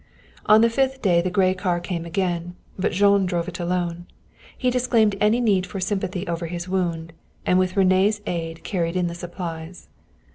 On the fifth day the gray car came again, but Jean drove it alone. He disclaimed any need for sympathy over his wound, and with René's aid carried in the supplies.